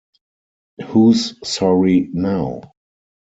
Who's Sorry Now?